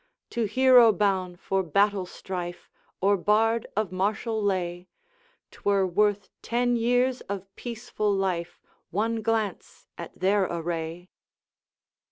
To hero boune for battle strife, Or bard of martial lay, 'Twere worth ten years of peaceful life, One glance at their array!